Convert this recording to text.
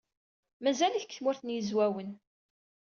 Mazal-it deg Tmurt n Yizwawen.